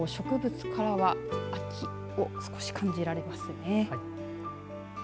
植物からは秋を少し感じられますね。